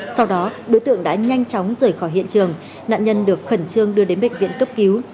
sau đó đối tượng đã nhanh chóng rời khỏi hiện trường nạn nhân được khẩn trương đưa đến bệnh viện cấp cứu